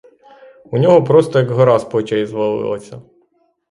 У нього просто як гора з плечей звалилася.